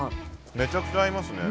めちゃくちゃ合いますね。